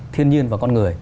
thiên nhiên và con người